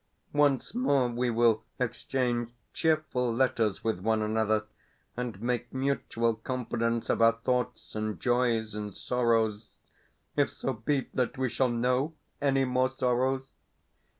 Once more we will exchange cheerful letters with one another, and make mutual confidence of our thoughts and joys and sorrows (if so be that we shall know any more sorrows?).